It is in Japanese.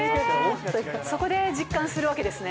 そこで実感するわけですね。